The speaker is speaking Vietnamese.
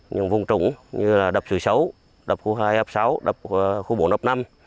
những vùng trụng như đập sửa sấu đập khu hai đập sáu đập khu bốn đập năm